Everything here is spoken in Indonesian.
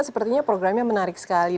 sepertinya programnya menarik sekali